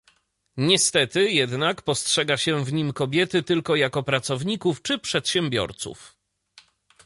Niestety jednak postrzega się w nim kobiety tylko jako pracowników czy przedsiębiorców